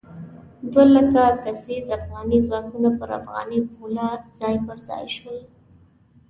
دوه لک کسیز افغاني ځواکونه پر افغاني پوله ځای پر ځای شول.